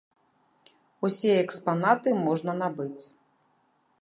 Усе экспанаты можна набыць.